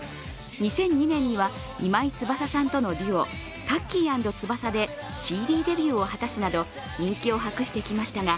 ２００２年には今井翼さんとのデュオ、タッキー＆翼でＣＤデビューを果たすなど人気を博してきましたが